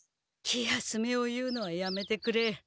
気休めを言うのはやめてくれ。